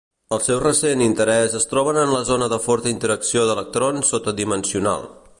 El seu recent interès es troben en la zona de forta interacció d'electrons sota dimensional.